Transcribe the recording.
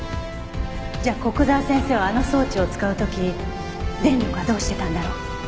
じゃあ古久沢先生はあの装置を使う時電力はどうしてたんだろう。